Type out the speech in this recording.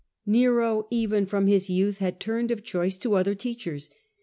Nero even from his youth had turned of choice to other teachers.